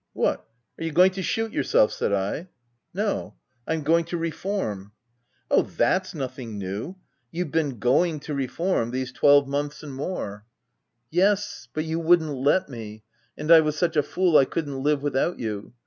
"'What, are you going to shoot yourself ?' said I. " c No ; I'm going to reform/ H ■ Oh, that's nothing new ! You've been going to reform these twelve months and more/ OF WILDFELL HALL. 51 "' Yes, but you wouldn't let me ; and I was such a fool I couldn't live without you.